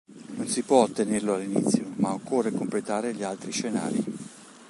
Non si può ottenerlo all'inizio ma occorre completare gli altri scenari.